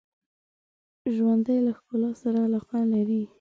ژوندي له ښکلا سره علاقه لري